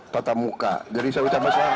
patah muka jadi saya ucapkan selamat